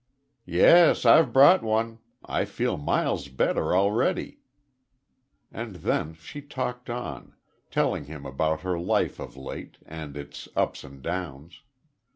"Yes, I've brought one. I feel miles better already." And then she talked on telling him about her life of late, and its ups and downs.